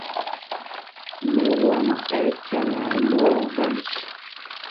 Mɛwam ɛ́ ɛ́ cyaŋaa lō ogbanj.